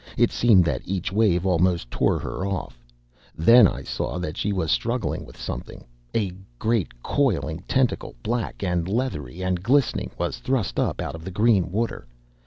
It seemed that each wave almost tore her off. Then I saw that she was struggling with something. A great coiling tentacle, black and leathery and glistening, was thrust up out of the green water.